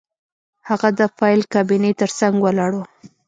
هغه د فایل کابینې ترڅنګ ولاړ و